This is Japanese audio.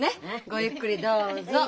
ごゆっくりどうぞ。